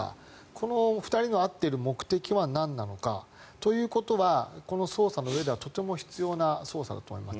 この２人の会っている目的はなんなのかということはこの捜査のうえではとても必要な捜査だと思います。